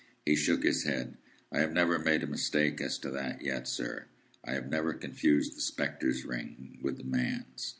He shook his head. "I have never made a mistake as to that yet, sir. I have never confused the spectre's ring with the man's.